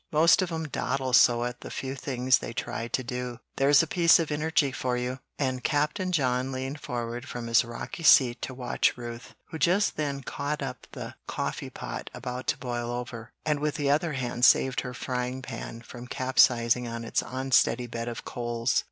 Most of 'em dawdle so at the few things they try to do. There's a piece of energy for you!" and Captain John leaned forward from his rocky seat to watch Ruth, who just then caught up the coffee pot about to boil over, and with the other hand saved her frying pan from capsizing on its unsteady bed of coals.